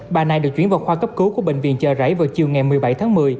bà này được chuyển vào khoa cấp cứu của bệnh viện chợ rẫy vào chiều ngày một mươi bảy tháng một mươi